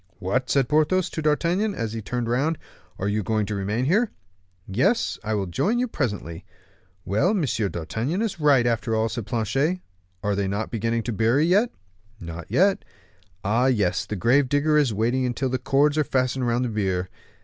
"What!" said Porthos to D'Artagnan, as he turned round, "are you going to remain here?" "Yes, I will join you presently." "Well, M. D'Artagnan is right, after all," said Planchet: "are they beginning to bury yet?" "Not yet." "Ah! yes, the grave digger is waiting until the cords are fastened round the bier.